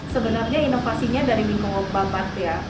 sebenarnya inovasinya dari lingkungan babat ya